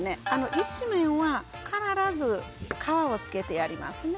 １面は必ず皮をつけてやりますね